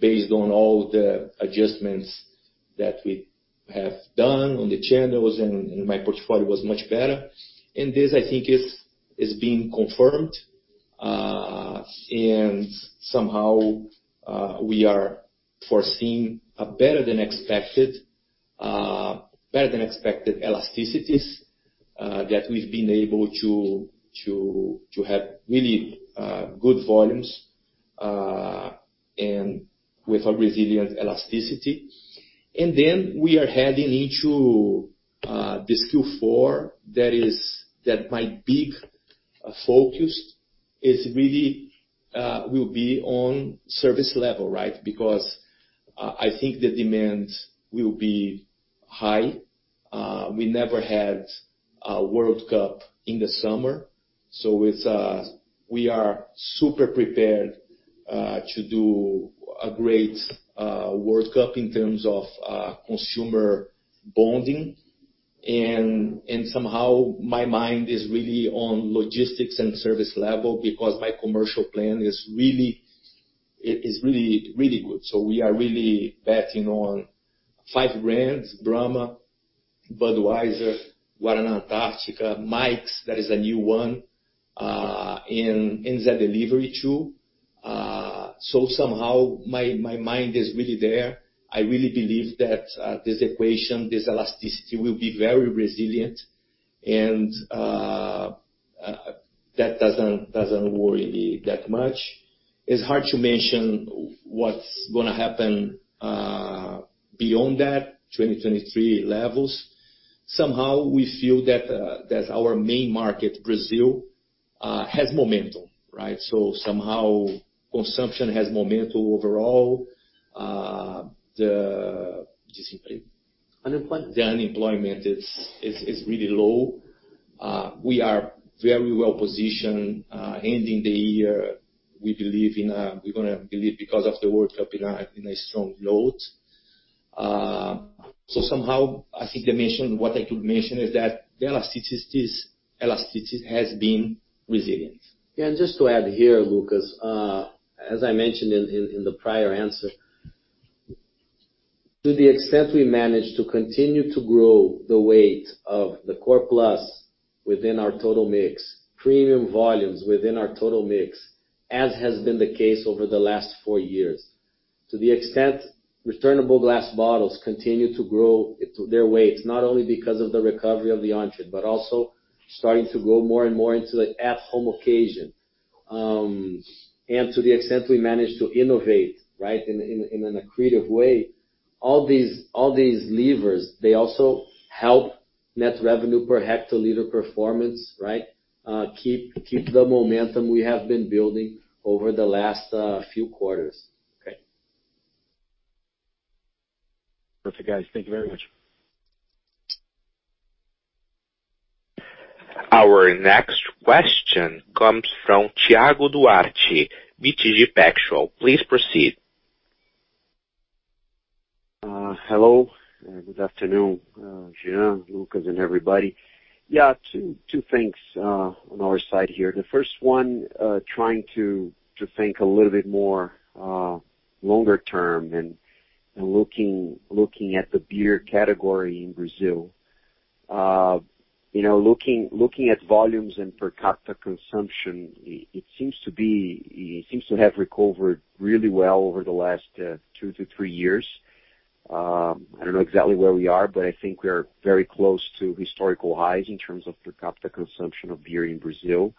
based on all the adjustments that we have done on the channels and my portfolio was much better. This, I think, is being confirmed. Somehow, we are foreseeing a better than expected elasticities that we've been able to have really good volumes and with a resilient elasticity. Then we are heading into this Q4, that my big focus is really will be on service level, right? Because I think the demand will be high. We never had a World Cup in the summer, so we are super prepared to do a great World Cup in terms of consumer bonding. Somehow my mind is really on logistics and service level because my commercial plan is really good. We are really betting on five brands, Brahma, Budweiser, Guaraná Antarctica, Mike's, that is a new one, and Zé Delivery too. Somehow my mind is really there. I really believe that this equation, this elasticity will be very resilient and that doesn't worry me that much. It's hard to mention what's gonna happen beyond that 2023 levels. Somehow we feel that our main market, Brazil, has momentum, right? Somehow consumption has momentum overall. The unemployment is really low. We are very well-positioned ending the year. We're gonna end because of the World Cup on a strong note. Somehow I think I mentioned what I could mention is that the elasticity has been resilient. Yeah. Just to add here, Lucas, as I mentioned in the prior answer, to the extent we manage to continue to grow the weight of the core plus within our total mix, premium volumes within our total mix, as has been the case over the last four years. To the extent returnable glass bottles continue to grow their weight, not only because of the recovery of the on-trade, but also starting to grow more and more into the at home occasion. To the extent we manage to innovate, right, in an accretive way, all these levers, they also help net revenue per hectoliter performance, right? Keep the momentum we have been building over the last few quarters. Okay. Perfect, guys. Thank you very much. Our next question comes from Thiago Duarte, BTG Pactual. Please proceed. Hello and good afternoon, Jean, Lucas and everybody. Yeah, two things on our side here. The first one, trying to think a little bit more longer term and looking at the beer category in Brazil. You know, looking at volumes and per capita consumption, it seems to have recovered really well over the last two to three years. I don't know exactly where we are, but I think we are very close to historical highs in terms of per capita consumption of beer in Brazil.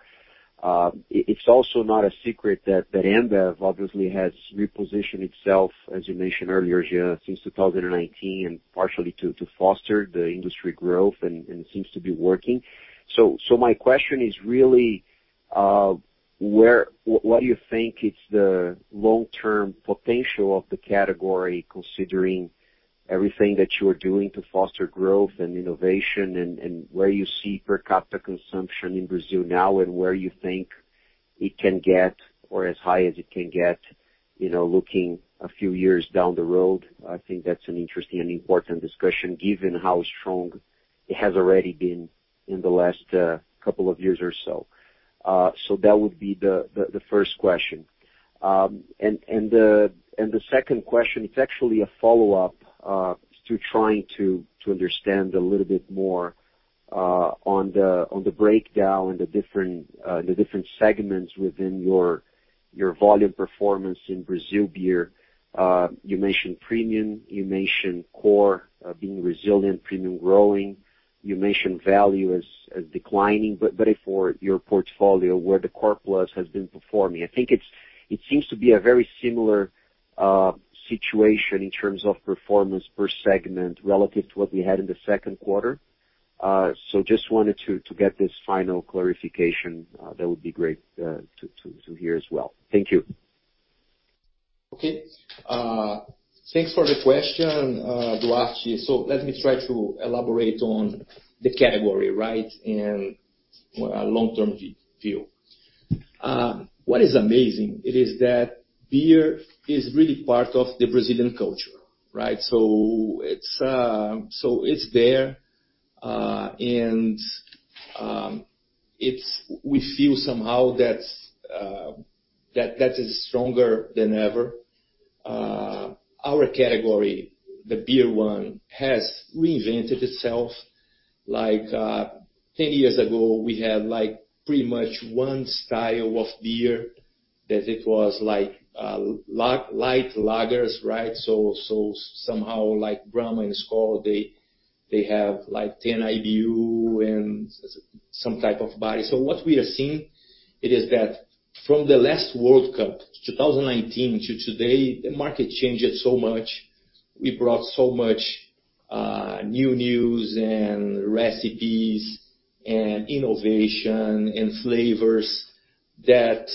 It's also not a secret that AB InBev obviously has repositioned itself, as you mentioned earlier, Jean, since 2019 and partially to foster the industry growth and seems to be working. My question is really where what do you think it's the long-term potential of the category, considering everything that you are doing to foster growth and innovation? Where you see per capita consumption in Brazil now, and where you think it can get or as high as it can get, you know, looking a few years down the road? I think that's an interesting and important discussion given how strong it has already been in the last couple of years or so. That would be the first question. The second question, it's actually a follow-up to trying to understand a little bit more on the breakdown, the different segments within your volume performance in Brazil beer. You mentioned premium, you mentioned core, being resilient, premium growing. You mentioned value as declining, but for your portfolio where the core plus has been performing. I think it seems to be a very similar situation in terms of performance per segment relative to what we had in the second quarter. Just wanted to get this final clarification. That would be great to hear as well. Thank you. Okay. Thanks for the question, Duarte. Let me try to elaborate on the category, right? In a long-term view. What is amazing is that beer is really part of the Brazilian culture, right? It's there, and we feel somehow that that is stronger than ever. Our category, the beer one, has reinvented itself. Like, 10 years ago, we had like pretty much one style of beer that it was like light lagers, right? Somehow like Brahma and Skol, they have like 10 IBU and some type of body. What we have seen is that from the last World Cup, 2019 to today, the market changed so much. We brought so much new news and recipes and innovation and flavors that.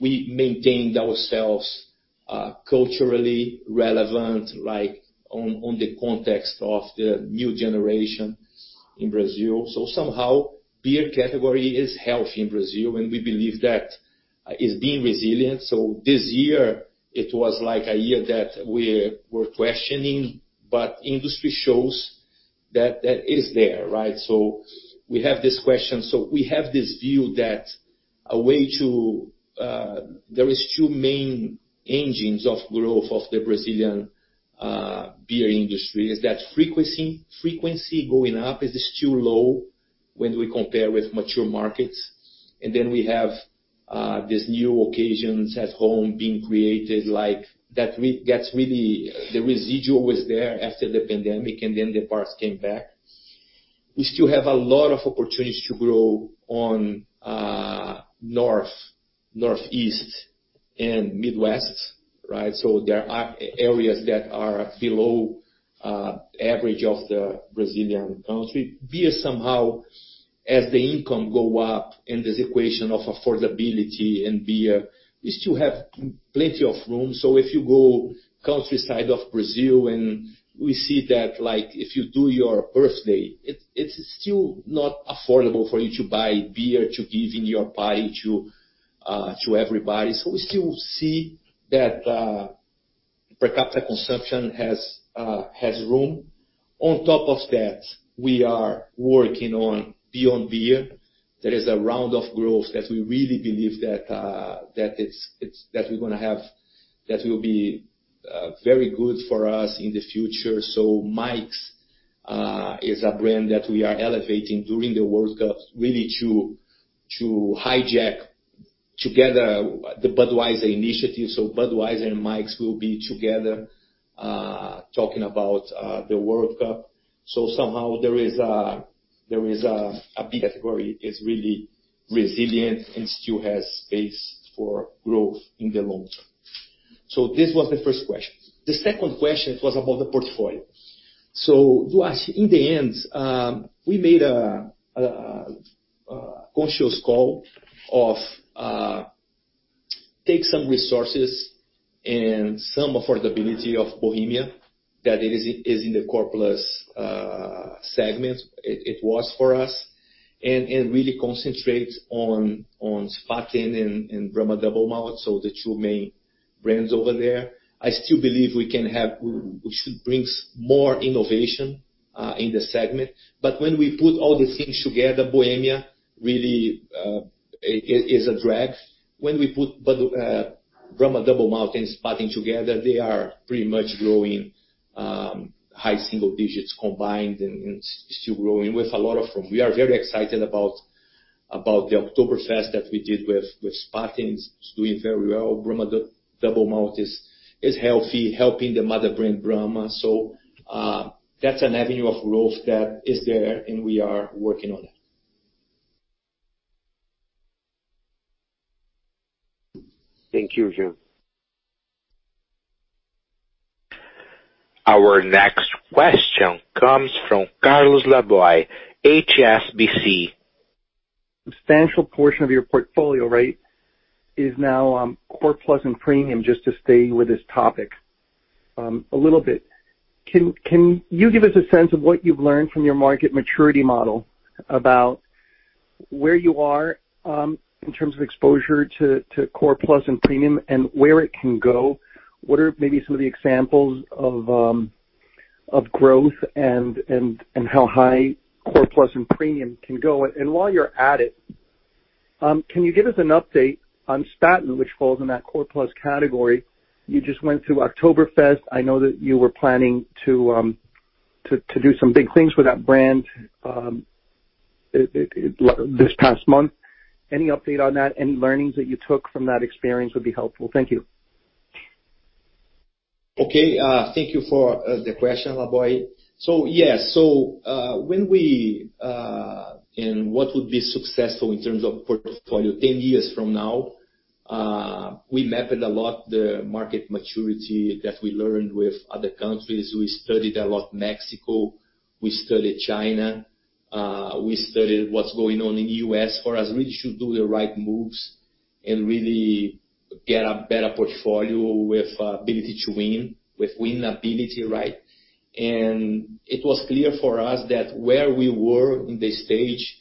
We maintained ourselves culturally relevant, like on the context of the new generation in Brazil. Somehow beer category is healthy in Brazil, and we believe that is being resilient. This year it was like a year that we're questioning, but industry shows that is there, right? We have this question. We have this view that a way to. There are two main engines of growth of the Brazilian beer industry: frequency going up is still low when we compare with mature markets. We have this new occasions at home being created like that's really the residual was there after the pandemic, and then the bars came back. We still have a lot of opportunities to grow on North, Northeast, and Midwest, right? There are areas that are below average of the Brazilian country. Beer somehow, as the income go up and this equation of affordability and beer, we still have plenty of room. If you go countryside of Brazil and we see that like if you do your birthday, it's still not affordable for you to buy beer to give in your party to everybody. We still see that per capita consumption has room. On top of that, we are working on Beyond Beer. There is a round of growth that we really believe we're gonna have, that will be very good for us in the future. Mike's is a brand that we are elevating during the World Cup really to hijack together the Budweiser initiative. Budweiser and Mike's will be together, talking about the World Cup. Somehow there is a big category that is really resilient and still has space for growth in the long term. This was the first question. The second question was about the portfolio. Thiago Duarte, in the end, we made a conscious call to take some resources and some affordability of Bohemia that it is in the core plus segment. It was for us and really concentrate on Spaten and Brahma Double Malte, so the two main brands over there. I still believe we can have. We should bring more innovation in the segment. But when we put all these things together, Bohemia really is a drag. When we put Bud, Brahma Duplo Malte and Spaten together, they are pretty much growing high single digits combined and still growing with a lot of room. We are very excited about the Oktoberfest that we did with Spaten. It's doing very well. Brahma Duplo Malte is healthy, helping the mother brand Brahma. That's an avenue of growth that is there, and we are working on it. Thank you, Jean Jereissati. Our next question comes from Carlos Laboy, HSBC. Substantial portion of your portfolio, right, is now core plus and premium, just to stay with this topic, a little bit. Can you give us a sense of what you've learned from your market maturity model about where you are in terms of exposure to core plus and premium and where it can go? What are maybe some of the examples of growth and how high core plus and premium can go? While you're at it, can you give us an update on Spaten, which falls in that core plus category? You just went through Oktoberfest. I know that you were planning to do some big things with that brand this past month. Any update on that? Any learnings that you took from that experience would be helpful. Thank you. Okay. Thank you for the question, Carlos Laboy. What would be successful in terms of portfolio ten years from now, we mapped a lot the market maturity that we learned with other countries. We studied a lot Mexico, we studied China, we studied what's going on in U.S. for us really should do the right moves and really get a better portfolio with ability to win, with winnability, right? It was clear for us that where we were in the stage,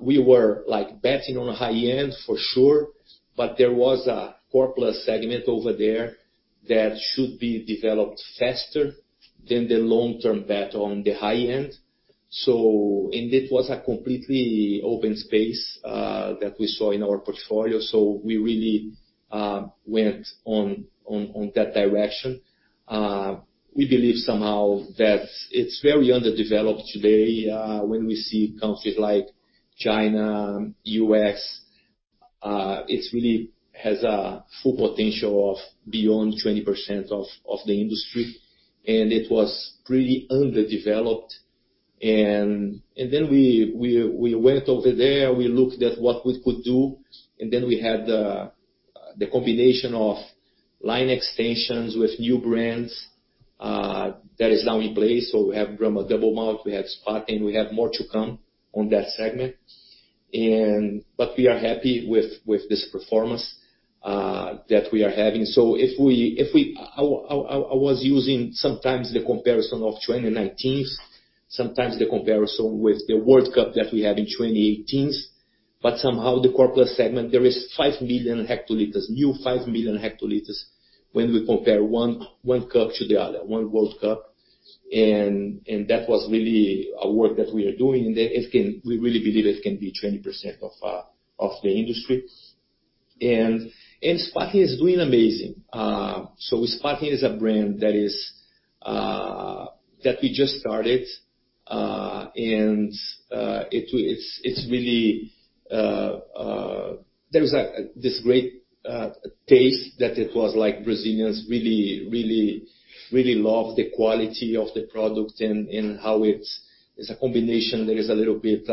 we were like betting on high-end for sure, but there was a core plus segment over there that should be developed faster than the long-term bet on the high end. It was a completely open space that we saw in our portfolio, so we really went on that direction. We believe somehow that it's very underdeveloped today, when we see countries like China, U.S., it really has a full potential of beyond 20% of the industry, and it was pretty underdeveloped. Then we went over there, we looked at what we could do, and then we had the combination of line extensions with new brands that is now in place. We have Brahma Duplo Malte, we have Spaten, we have more to come on that segment. But we are happy with this performance that we are having. If we, I was using sometimes the comparison of 2019, sometimes the comparison with the World Cup that we had in 2018. Somehow the corporate segment, there is 5 million hectoliters, new 5 million hectoliters when we compare one World Cup to the other, one World Cup. That was really a work that we are doing. We really believe it can be 20% of the industry. Spaten is doing amazing. Spaten is a brand that we just started, and it's really. There is this great taste that it was like Brazilians really love the quality of the product and how it's a combination that is a little bit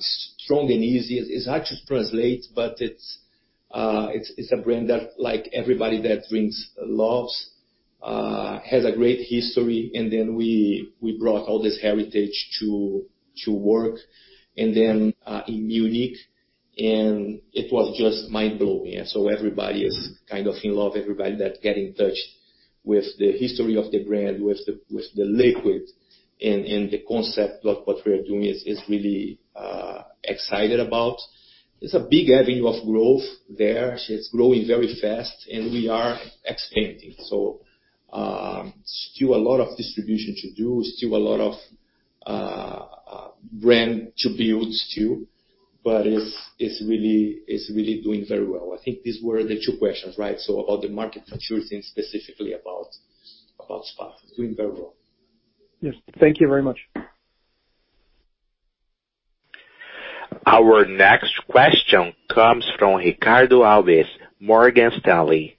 strong and easy. It's hard to translate, but it's a brand that like everybody that drinks loves, has a great history. Then we brought all this heritage to work. In Munich, and it was just mind-blowing. Everybody is kind of in love, everybody that get in touch with the history of the brand, with the liquid and the concept of what we are doing is really excited about. It's a big avenue of growth there. It's growing very fast and we are expanding. Still a lot of distribution to do, still a lot of brand to build still, but it's really doing very well. I think these were the two questions, right? About the market maturity and specifically about Spaten. It's doing very well. Yes. Thank you very much. Our next question comes from Ricardo Alves, Morgan Stanley.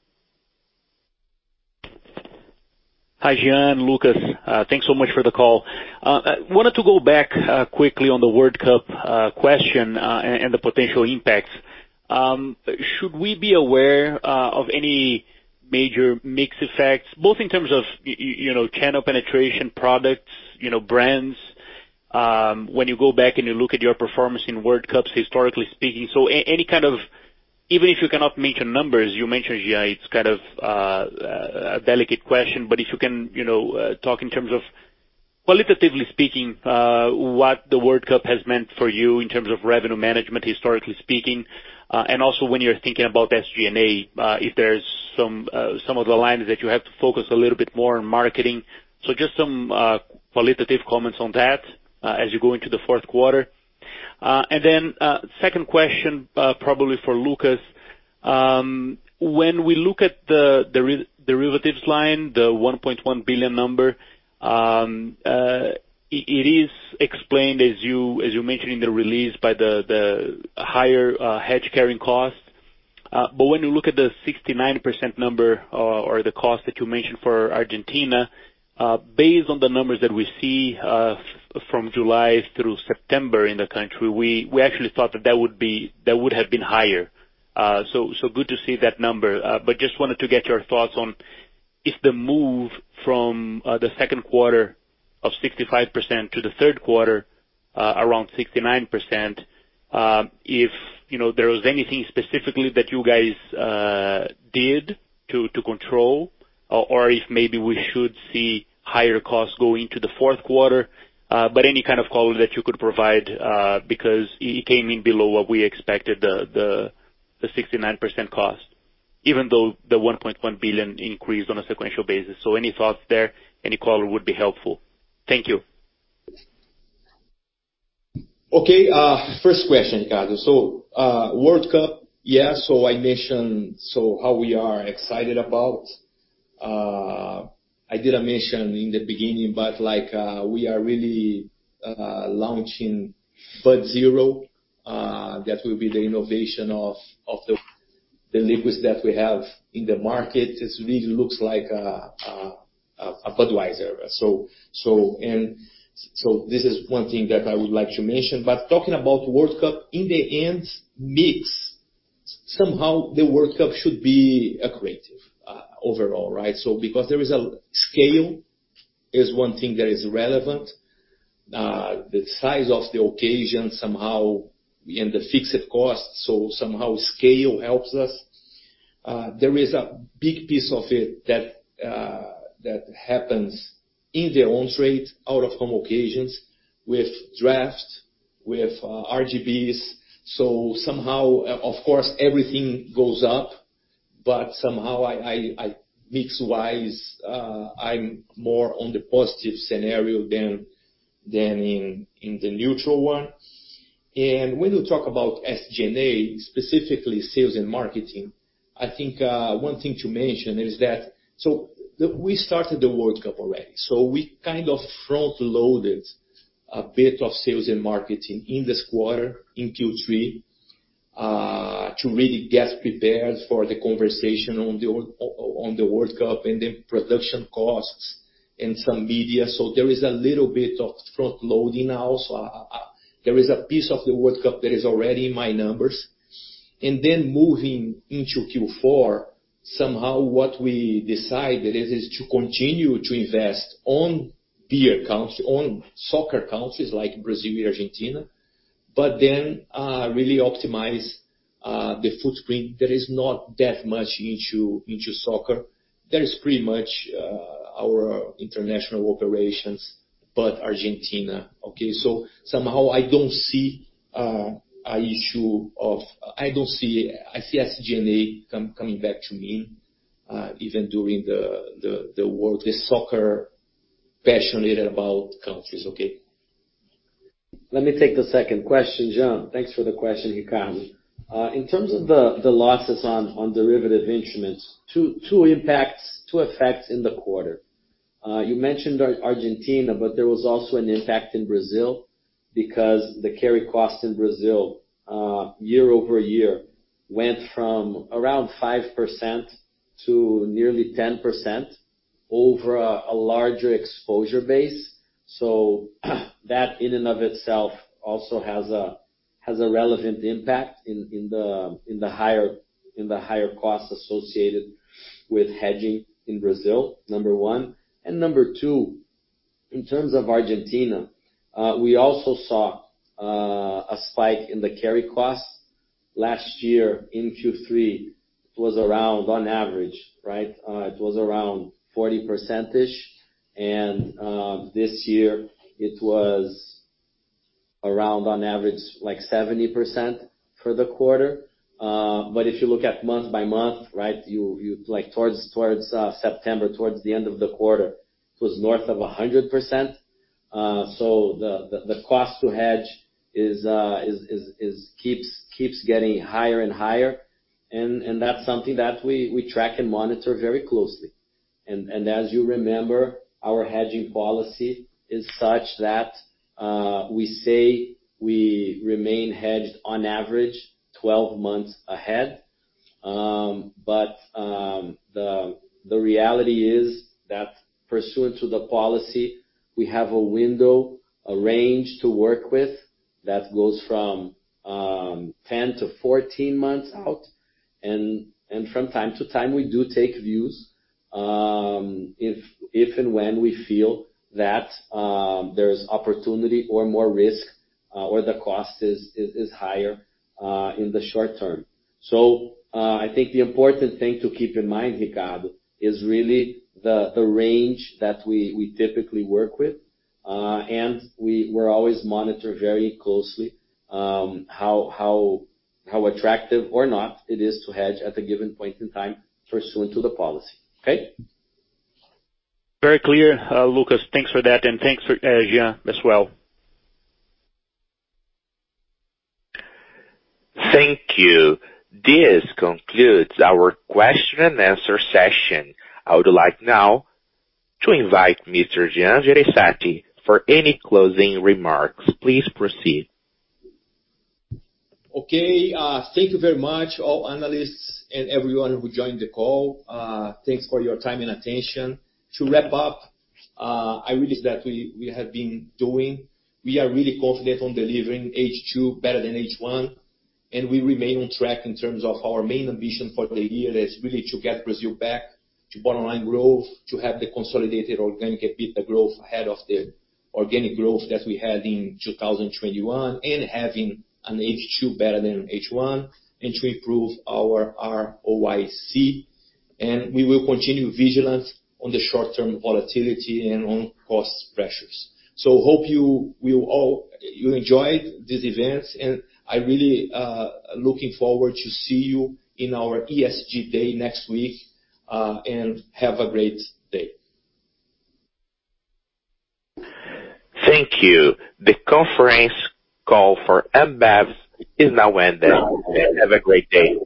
Hi, Jean Jereissati, Lucas Lira. Thanks so much for the call. I wanted to go back quickly on the World Cup question and the potential impacts. Should we be aware of any major mix effects, both in terms of you know, channel penetration products, you know, brands, when you go back and you look at your performance in World Cups, historically speaking. Any kind of even if you cannot mention numbers, you mentioned, yeah, it's kind of a delicate question, but if you can, you know, talk in terms of qualitatively speaking, what the World Cup has meant for you in terms of revenue management, historically speaking. Also when you're thinking about SG&A, if there's some of the lines that you have to focus a little bit more on marketing. Just some qualitative comments on that as you go into the fourth quarter. Second question probably for Lucas. When we look at the FX derivatives line, the 1.1 billion number, it is explained as you mentioned in the release by the higher hedge carrying cost. But when you look at the 69% number or the cost that you mentioned for Argentina, based on the numbers that we see from July through September in the country, we actually thought that that would have been higher. Good to see that number. Just wanted to get your thoughts on if the move from the second quarter of 65% to the third quarter around 69%, if you know there was anything specifically that you guys did to control or if maybe we should see higher costs going into the fourth quarter. Any kind of color that you could provide because it came in below what we expected, the 69% cost, even though the 1.1 billion increase on a sequential basis. Any thoughts there, any color would be helpful. Thank you. Okay. First question, Ricardo. World Cup. Yeah. I mentioned how we are excited about. I didn't mention in the beginning, but like, we are really launching Bud Zero. That will be the innovation of the liquids that we have in the market. It really looks like a Budweiser. This is one thing that I would like to mention. Talking about World Cup, in the end mix. The World Cup should be accretive overall, right? Because there is a scale is one thing that is relevant. The size of the occasion somehow and the fixed costs, so somehow scale helps us. There is a big piece of it that happens in on-trade, out-of-home occasions with draft, with RGBs. Somehow, of course, everything goes up, but somehow I mix wise, I'm more on the positive scenario than in the neutral one. When you talk about SG&A, specifically sales and marketing, I think one thing to mention is that we started the World Cup already, so we kind of front-loaded a bit of sales and marketing in this quarter in Q3 to really get prepared for the conversation on the World Cup and the production costs and some media. There is a little bit of front loading also. There is a piece of the World Cup that is already in my numbers. Moving into Q4, somehow what we decided is to continue to invest in beer volume in soccer countries like Brazil and Argentina, but then really optimize the footprint that is not that much into soccer. That is pretty much our international operations, but Argentina. Okay. Somehow I don't see an issue. I see SG&A coming back to mean even during the soccer passionate about countries. Okay. Let me take the second question, Jean. Thanks for the question, Ricardo. In terms of the losses on derivative instruments, two impacts, two effects in the quarter. You mentioned Argentina, but there was also an impact in Brazil because the carry cost in Brazil year-over-year went from around 5% to nearly 10% over a larger exposure base. That in and of itself also has a relevant impact in the higher costs associated with hedging in Brazil, number one. Number two, in terms of Argentina, we also saw a spike in the carry costs. Last year in Q3, it was around on average, right? It was around 40%-ish, and this year it was around on average, like 70% for the quarter. If you look month by month, you look towards September towards the end of the quarter, it was north of 100%. So the cost to hedge keeps getting higher and higher. That's something that we track and monitor very closely. As you remember, our hedging policy is such that we say we remain hedged on average 12 months ahead. The reality is that pursuant to the policy, we have a window, a range to work with that goes from 10 to 14 months out. From time to time, we do take views if and when we feel that there's opportunity or more risk or the cost is higher in the short term. I think the important thing to keep in mind, Ricardo, is really the range that we typically work with. We're always monitoring very closely how attractive or not it is to hedge at a given point in time pursuant to the policy. Very clear, Lucas. Thanks for that, and thanks for Jean as well. Thank you. This concludes our question and answer session. I would like now to invite Mr. Jean Jereissati for any closing remarks. Please proceed. Okay. Thank you very much all analysts and everyone who joined the call. Thanks for your time and attention. To wrap up, I realized that we have been doing. We are really confident on delivering H2 better than H1, and we remain on track in terms of our main ambition for the year is really to get Brazil back to bottom line growth, to have the consolidated organic EBITDA growth ahead of the organic growth that we had in 2021, and having an H2 better than an H1, and to improve our ROIC. We will continue vigilance on the short-term volatility and on cost pressures. Hope you will all you enjoyed this event, and I really looking forward to see you in our ESG day next week, and have a great day. Thank you. The conference call for Ambev is now ending. Have a great day.